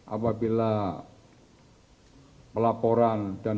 apabila pelaporan dan